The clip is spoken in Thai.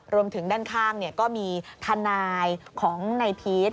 รวมถึงด้านข้างก็มีทนายของนายพีช